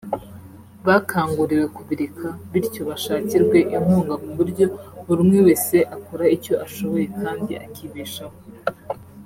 bakangurirwe kubireka bityo bashakirwe inkunga ku buryo buri umwe wese akora icyo ashoboye kandi akibeshaho